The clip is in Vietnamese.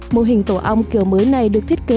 mô hình tổ ong kiểu mới này được thiết kế